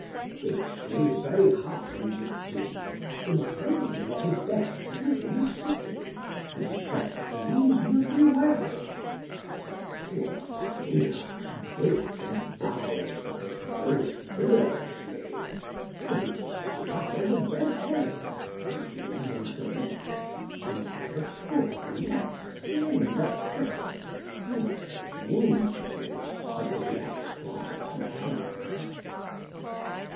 Which they very heartily did do, in sending him of the best that was in the city, and he drank reasonably well, but poor Panurge bibbed and boused of it most villainously, for he was as dry as a red herring, as lean as a rake, and, like a poor, lank, slender cat, walked gingerly as if he had trod upon eggs.